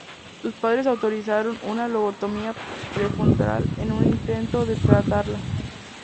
Sus padres autorizaron una lobotomía prefrontal en un intento de tratarla.